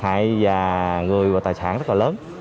hại và người và tài sản rất là lớn